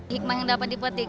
hikmah yang dapat dipetik